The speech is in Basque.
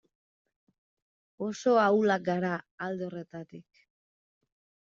Oso ahulak gara alde horretatik.